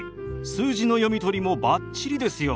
数字の読み取りもバッチリですよ。